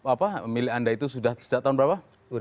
apa milik anda itu sudah sejak tahun berapa